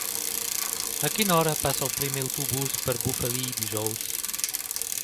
A quina hora passa el primer autobús per Bufali dijous?